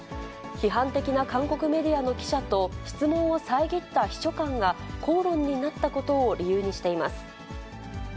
批判的な韓国メディアの記者と質問を遮った秘書官が口論になったことを理由にしています。